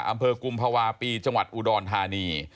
อำเภอกุมภาวะปีจังหวัดอุดรธานี